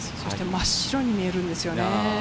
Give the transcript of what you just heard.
真下に見えるんですよね。